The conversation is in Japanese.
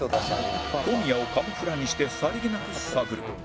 小宮をカモフラにしてさりげなく探る